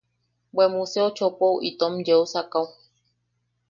Bwe museo chopou itom yeusakao.